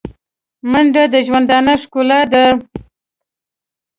منډه د ژوندانه ښکلا ده